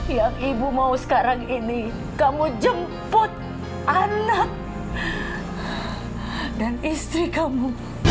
yang ibu mau sekarang ini kamu jemput anak dan istri kamu